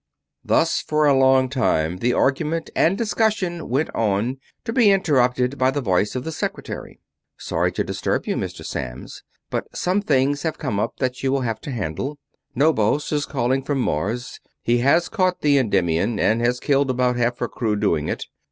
Thus for a long time the argument and discussion went on, to be interrupted by the voice of the secretary. "Sorry to disturb you, Mr. Samms, but some things have come up that you will have to handle. Knobos is calling from Mars. He has caught the Endymion, and has killed about half her crew doing it.